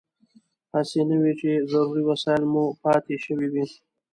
هسې نه وي چې ضروري وسایل مې پاتې شوي وي.